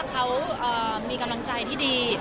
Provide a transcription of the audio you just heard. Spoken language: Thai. เขามีกำลังใจที่ดี